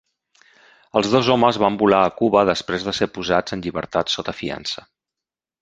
Els dos homes van volar a Cuba després de ser posats en llibertat sota fiança.